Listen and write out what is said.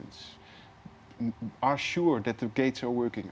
pastikan bahwa gerbangnya berfungsi